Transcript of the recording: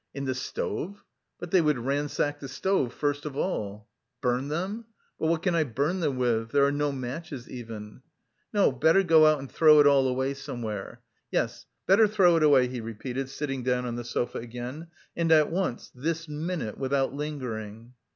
"In the stove? But they would ransack the stove first of all. Burn them? But what can I burn them with? There are no matches even. No, better go out and throw it all away somewhere. Yes, better throw it away," he repeated, sitting down on the sofa again, "and at once, this minute, without lingering..."